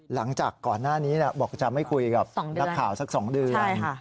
หลังจากก่อนหน้านี้บอกจะไม่คุยกับนักข่าวสัก๒เดือน